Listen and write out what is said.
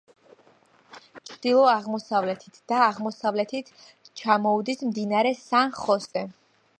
ჩრდილო-აღმოსავლეთით და აღმოსავლეთით ჩამოუდის მდინარე სან-ხოსე.